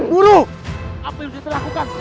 guru apa yang sudah dilakukan